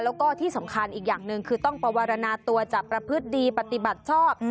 แล้วก็ที่สำคัญอีกอย่างหนึ่งคือต้องประวารณาตัวจะประพฤติดีปฏิบัติชอบ